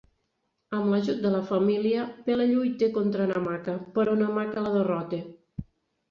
Amb l'ajut de la família, Pele lluita contra Namaka, però Namaka la derrota.